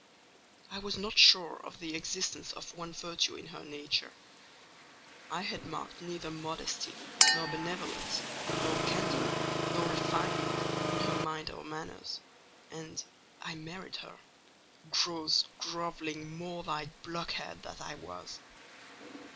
I was not sure of the existence of one virtue in her nature: I had marked neither modesty, nor benevolence, nor candour, nor refinement in her mind or manners—and, I married her:—gross, grovelling, mole eyed blockhead that I was!